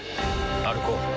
歩こう。